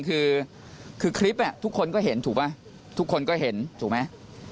คือคลิปนี่ทุกคนก็เห็นถูกมั้ย